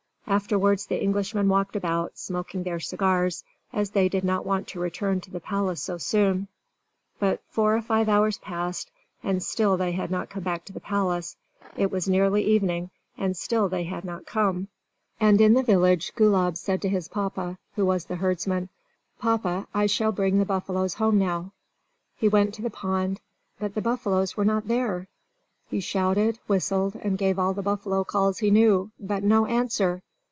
Afterwards the Englishmen walked about, smoking their cigars, as they did not want to return to the palace so soon. But four or five hours passed, and still they had not come back to the palace. It was nearly evening, and still they had not come. And in the village Gulab said to his Papa, who was the herdsman, "Papa, I shall bring the buffaloes home now." He went to the pond. But the buffaloes were not there! He shouted, whistled, and gave all the buffalo calls he knew. But no answer!